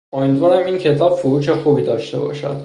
امیدوارم این کتاب فروش خوبی داشته باشد.